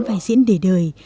vai diễn đề đời